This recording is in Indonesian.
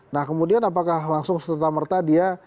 nah kemudian apakah langsung serta merta dia